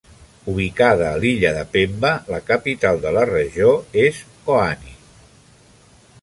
Ubicada a l'illa de Pemba, la capital de la regió es Mkoani.